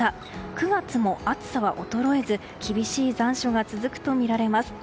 ９月も暑さは衰えず厳しい残暑が続くとみられます。